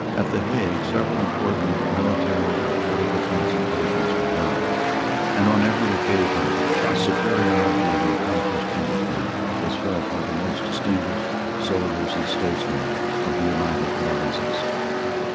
At the Hague several important military and political consultations were held; and, on every occasion, the superiority of the accomplished Englishman was felt by the most distinguished soldiers and statesmen of the United Provinces.